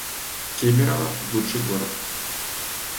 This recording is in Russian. Кемерово — лучший город